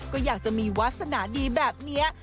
ก็อยากจะมีวาสนาดีแบบนี้